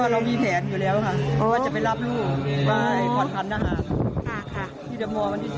และสอบของเธอนั่งวง